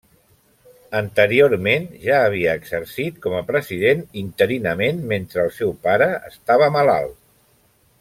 Anteriorment ja havia exercit com a president interinament mentre el seu pare estava malalt.